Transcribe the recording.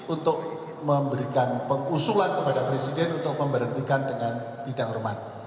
untuk memberikan pengusulan kepada presiden untuk memberhentikan dengan tidak hormat